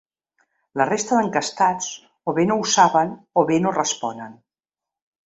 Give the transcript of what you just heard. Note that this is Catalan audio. La resta d’enquestats, o bé no ho saben o bé no responen.